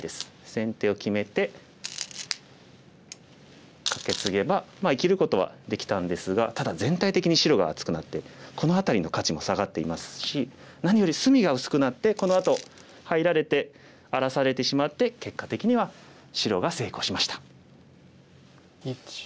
先手を決めてカケツゲば生きることはできたんですがただ全体的に白が厚くなってこの辺りの価値も下がっていますし何より隅が薄くなってこのあと入られて荒らされてしまって結果的には白が成功しました。